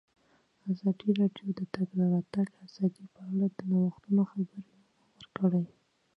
ازادي راډیو د د تګ راتګ ازادي په اړه د نوښتونو خبر ورکړی.